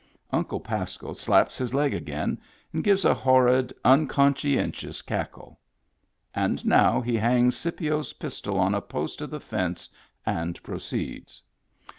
Uncle Pasco slaps his leg again, and gives a horrid, unconscientious cackle. And now he hangs Scipio's pistol on a post of the fence and proceeds.